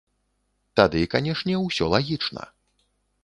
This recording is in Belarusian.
Тады, канешне, усё лагічна.